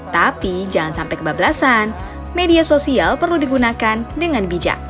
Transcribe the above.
tapi jangan sampai kebablasan media sosial perlu digunakan dengan bijak